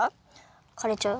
かれちゃう？